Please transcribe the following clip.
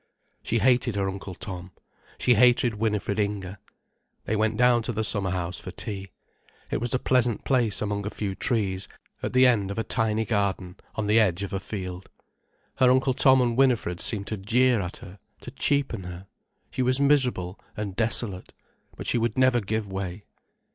She hated her Uncle Tom, she hated Winifred Inger. They went down to the summer house for tea. It was a pleasant place among a few trees, at the end of a tiny garden, on the edge of a field. Her Uncle Tom and Winifred seemed to jeer at her, to cheapen her. She was miserable and desolate. But she would never give way.